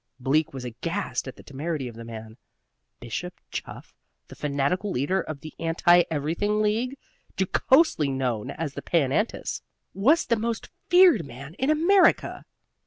Bleak was aghast at the temerity of the man. Bishop Chuff, the fanatical leader of the Anti Everything League jocosely known as the Pan Antis was the most feared man in America.